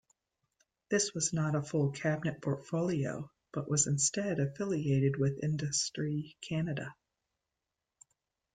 This was not a full cabinet portfolio, but was instead affiliated with Industry Canada.